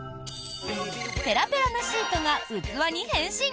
ペラペラなシートが器に変身！